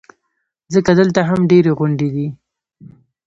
ځکه دلته هم ډېرې غونډۍ دي.